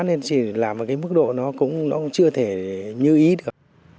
nên làm vào cái mức độ nó cũng chưa thể như ý được